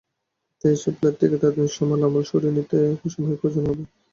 তাই এসব ফ্ল্যাট থেকে তাঁদের নিজস্ব মালামাল সরিয়ে নিতে সময়ের প্রয়োজন হবে।